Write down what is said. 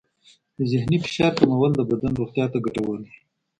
د ذهني فشار کمول د بدن روغتیا ته ګټور دی.